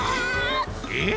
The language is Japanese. えっ？